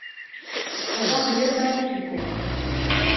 Оҙаҡ йөрөмәне китеп.